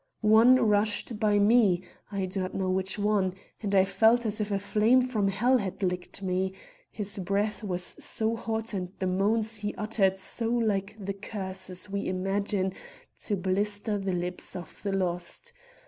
One rushed by me I do not know which one and I felt as if a flame from hell had licked me, his breath was so hot and the moans he uttered so like the curses we imagine to blister the lips of the lost.